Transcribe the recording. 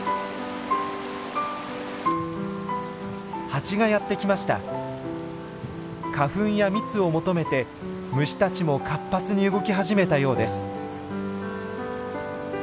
ハチがやって来ました。花粉や蜜を求めて虫たちも活発に動き始めたようです。